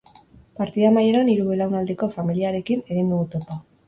Partida amaieran, hiru belaunaldiko familiarekin egin dugu topo.